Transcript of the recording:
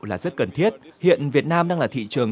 là rất cần thiết hiện việt nam đang là thị trường